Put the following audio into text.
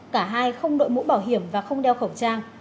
cả hai không đội mũ bảo hiểm và không đeo khẩu trang